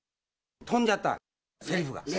飛んじゃった、せりふが。